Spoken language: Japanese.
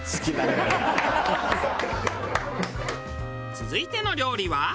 続いての料理は。